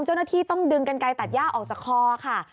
เจ้าหน้าที่ต้องดึงกันไกลตัดย่าออกจากคอค่ะ